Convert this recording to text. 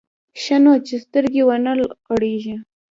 ښه نو چې سترګې ونه غړېږي.